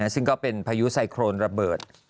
ซึ่งก็เป็นพายุไซโครนระเบิด